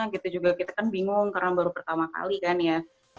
kita juga kita kan bingung karena baru pertama kali kan ya